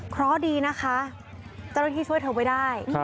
เพราะดีนะคะเจ้าหน้าที่ช่วยเธอไว้ได้